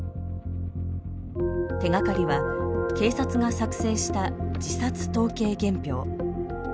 手がかりは警察が作成した自殺統計原票。